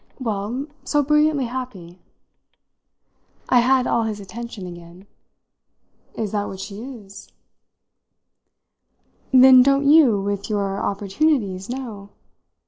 "Well, so brilliantly happy." I had all his attention again. "Is that what she is?" "Then don't you, with your opportunities, know?"